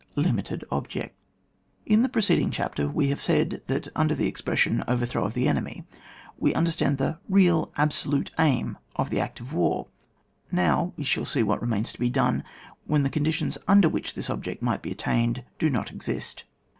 LIMITED OBJECT. In the preceding chapter we have said that, under the expression '< overthrow of the enemy," we understand the real absolute aim of the " act of war ;" now we shall see what remains to be done when the conditionB under which this object might be attained do not exist.